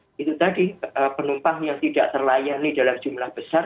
nah itu tadi penumpang yang tidak terlayani dalam jumlah besar